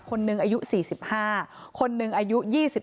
คนนึงอายุ๔๕คนนึงอายุ๒๔